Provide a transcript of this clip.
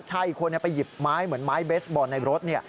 อีกคนไปหยิบไม้เหมือนไม้เบสบอลในรถ